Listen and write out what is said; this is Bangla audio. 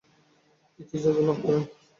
তিনি ইজাজত লাভ করেন ।